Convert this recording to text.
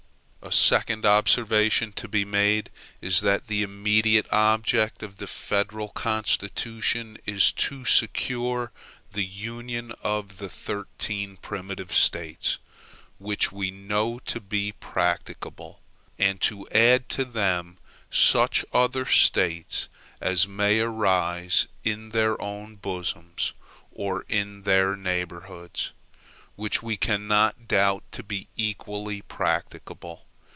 A second observation to be made is that the immediate object of the federal Constitution is to secure the union of the thirteen primitive States, which we know to be practicable; and to add to them such other States as may arise in their own bosoms, or in their neighborhoods, which we cannot doubt to be equally practicable.